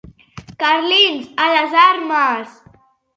Carlins, a les armes!